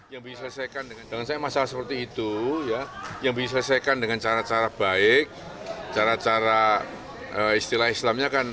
yang bisa diselesaikan dengan cara cara baik cara cara istilah islamnya